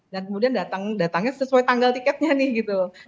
dan kemudian datangnya sesuai tanggal tiketnya nih gitu